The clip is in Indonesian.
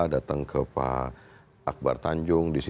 datang ke pak akbar tanjung